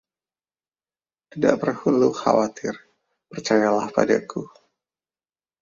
Tidak perlu khawatir, percayalah padaku.